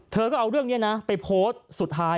เธอก็เอาเรื่องนี้นะไปโพสต์สุดท้าย